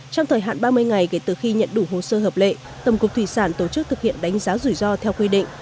trong thời hạn ba mươi ngày kể từ khi nhận đủ hồ sơ hợp lệ tổng cục thủy sản tổ chức thực hiện đánh giá rủi ro theo quy định